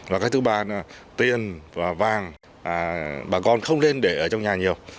và cái thứ ba là tiền và vàng bà con không lên để ở trong nhà nhiều